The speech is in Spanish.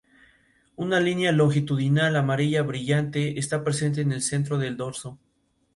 Estos edificios alcanzaron un nivel que no ha sido superado.